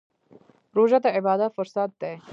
روژه د عبادت فرصت دی.